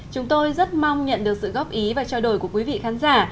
chúng tôi rất mong nhận được sự góp ý và trao đổi của quý vị khán giả